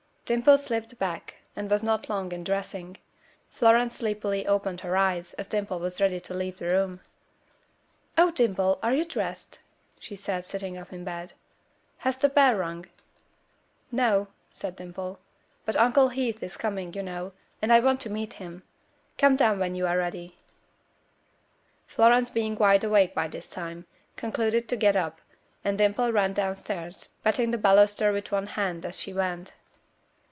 Dimple slipped back, and was not long in dressing. Florence sleepily opened her eyes as Dimple was ready to leave the room. "Oh Dimple, are you dressed?" she said, sitting up in bed. "Has the bell rung?" "No," said Dimple, "but Uncle Heath is coming, you know, and I want to meet him. Come down when you are ready." Florence being wide awake by this time, concluded to get up, and Dimple ran downstairs, patting the baluster with one hand as she went.